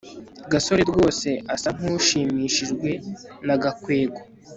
gasore rwose asa nkushimishijwe na gakwego